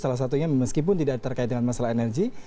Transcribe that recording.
salah satunya meskipun tidak terkait dengan masalah energi